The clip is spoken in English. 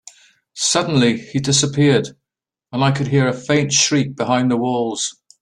Suddenly, he disappeared, and I could hear a faint shriek behind the walls.